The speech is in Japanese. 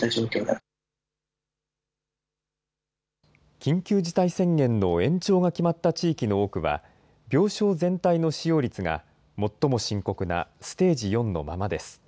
緊急事態宣言の延長が決まった地域の多くは、病床全体の使用率が、最も深刻なステージ４のままです。